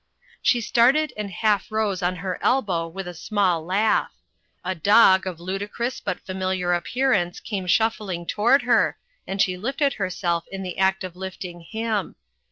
She started and half rose on her elbow with a small laugh. A dog of ludicrous but familiar appearance came shuffling toward her and she lifted herself in the act of lifting him.